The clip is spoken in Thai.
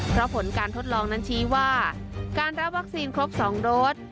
เพราะผลการทดลองนั้นชี้ว่าการรับวัคซีนครบ๒โดส